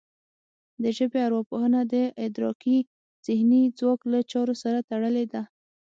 د ژبې ارواپوهنه د ادراکي ذهني ځواک له چارو سره تړلې ده